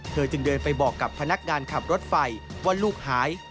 เธอจึงเดินไปบอกกับพนักงานขับรถไฟว่าลูกหาย